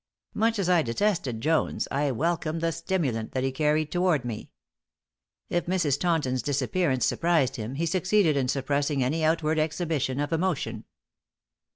Much as I detested Jones, I welcomed the stimulant that he carried toward me. If Mrs. Taunton's disappearance surprised him, he succeeded in suppressing any outward exhibition of emotion.